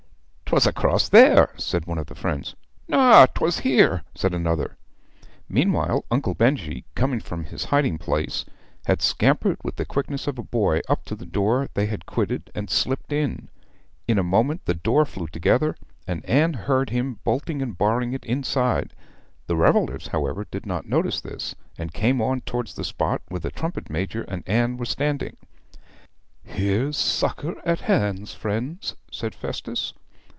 ''Twas across there,' said one of his friends. 'No! 'twas here,' said another. Meanwhile Uncle Benjy, coming from his hiding place, had scampered with the quickness of a boy up to the door they had quitted, and slipped in. In a moment the door flew together, and Anne heard him bolting and barring it inside. The revellers, however, did not notice this, and came on towards the spot where the trumpet major and Anne were standing. 'Here's succour at hand, friends,' said Festus.